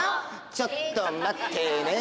ちょっと待ってねえ。